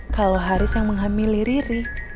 kalau haris yang menghamili riri